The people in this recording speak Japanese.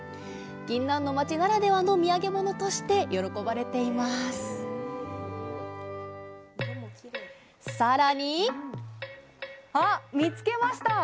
ぎんなんの町ならではの土産物として喜ばれていますさらにあっ見つけました。